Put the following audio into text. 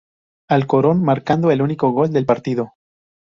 Alcorcón, marcando el único gol del partido.